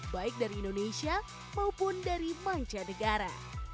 baik dari indonesia maupun dari manca negara